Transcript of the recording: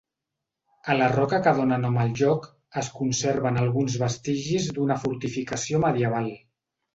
A la roca que dóna nom el lloc es conserven alguns vestigis d'una fortificació medieval.